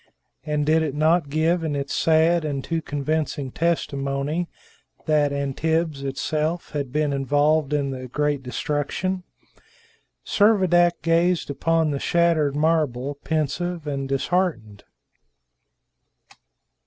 And did it not give in its sad and too convincing testimony that Antibes itself had been involved in the great destruction? Servadac gazed upon the shattered marble, pensive and disheartened.